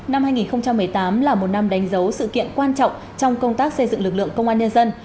năm hai nghìn một mươi tám là một năm đánh dấu sự kiện quan trọng trong công tác xây dựng lực lượng công an nhân dân